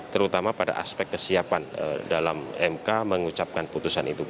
terutama pada aspek kesiapan dalam mk mengucapkan putusan itu